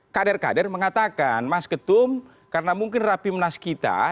kadir kadir mengatakan mas ketum karena mungkin rapimnas kita